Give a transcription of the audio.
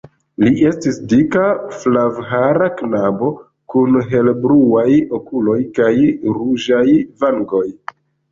Li estis dika flavhara knabo kun helebluaj okuloj kaj ruĝaj vangoj.